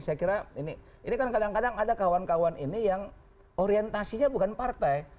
saya kira ini kan kadang kadang ada kawan kawan ini yang orientasinya bukan partai